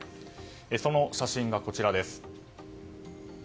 その写真がこちらです。